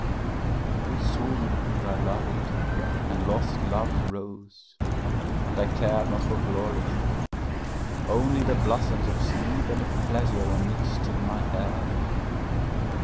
Too soon did I love it, and lost love's rose; and I car'd not for glory's:Only the blossoms of sleep and of pleasure were mix'd in my hair.